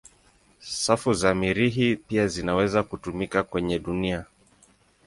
Safu za Mirihi pia zinaweza kutumika kwenye dunia.